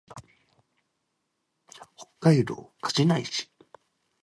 北海道歌志内市